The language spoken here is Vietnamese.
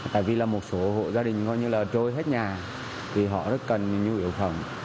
tại vì là một số hộ gia đình coi như là trôi hết nhà thì họ rất cần nhu yếu phẩm